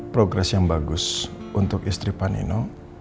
progres yang bagus untuk istri pak nino